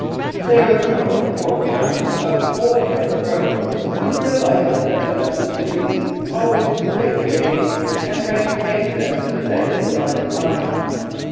There was no "forked tongue " about old Red Crow, who realised that the Mounted Police always "played the game," and frankly came to them to say what was in his mind.